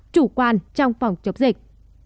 chủ quan trong phòng chống dịch